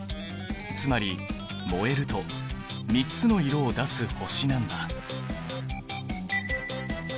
つまり燃えると３つの色を出す星なんだ。